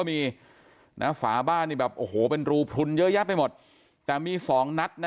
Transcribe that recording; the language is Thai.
มีนะฝาบ้านนี่แบบโอ้โหเป็นรูพลุนเยอะแยะไปหมดแต่มีสองนัดนะ